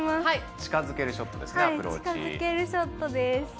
近づけるショットです。